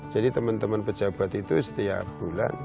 jadi teman teman pejabat itu setiap bulan